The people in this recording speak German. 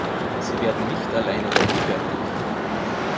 Sie werden nicht alleine damit fertig.